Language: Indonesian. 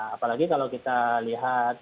apalagi kalau kita lihat